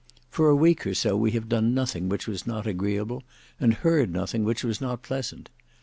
For a week or so, we have done nothing which was not agreeable, and heard nothing which was not pleasant.